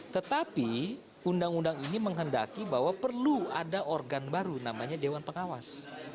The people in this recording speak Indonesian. tetapi undang undang ini menghendaki bahwa perlu ada organ baru namanya dewan pengawas